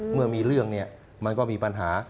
เมื่อมีเรื่องเนี่ยมันก็มีปัญหา